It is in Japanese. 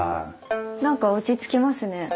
なんか落ち着きますね。